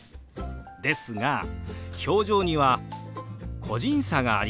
ですが表情には個人差がありますよね。